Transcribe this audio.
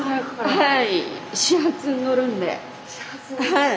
はい。